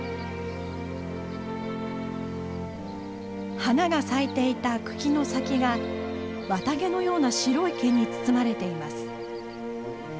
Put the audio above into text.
花が咲いていた茎の先が綿毛のような白い毛に包まれています。